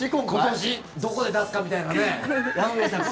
どこで出すかみたいな。